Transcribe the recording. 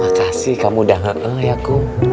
makasih kamu udah ngeleng ya kum